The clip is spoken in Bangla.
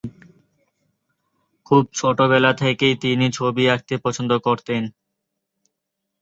খুব ছোটবেলা থেকেই তিনি ছবি আঁকতে পছন্দ করতেন।